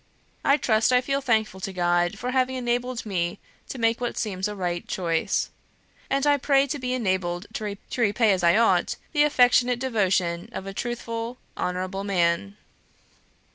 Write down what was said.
... I trust I feel thankful to God for having enabled me to make what seems a right choice; and I pray to be enabled to repay as I ought the affectionate devotion of a truthful, honourable man."